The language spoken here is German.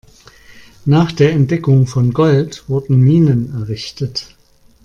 Nach der Entdeckung von Gold wurden Minen errichtet.